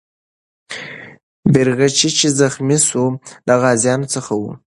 بیرغچی چې زخمي سو، له غازیانو څخه و.